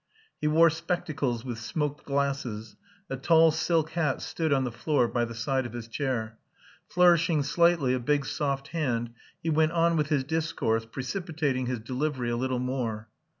He wore spectacles with smoked glasses, a tall silk hat stood on the floor by the side of his chair. Flourishing slightly a big soft hand he went on with his discourse, precipitating his delivery a little more.